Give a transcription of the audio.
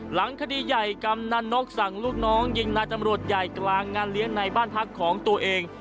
หลังคดีใหญ่กำนันนกสั่งลูกน้องยิงนายตำรวจใหญ่กลางงานเลี้ยงในบ้านพักของตัวเอง